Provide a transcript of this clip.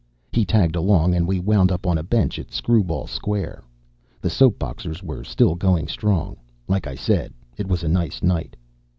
He tagged along and we wound up on a bench at Screwball Square. The soap boxers were still going strong. Like I said, it was a nice night.